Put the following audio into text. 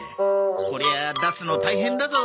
こりゃあ出すの大変だぞ。